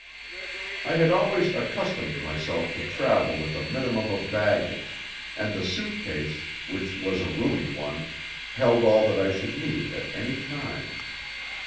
I had always accustomed myself to travel with a minimum of baggage, and the suit case, which was a roomy one, held all that I should need at any time.